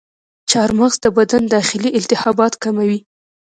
چارمغز د بدن داخلي التهابات کموي.